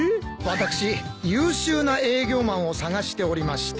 私優秀な営業マンを探しておりまして。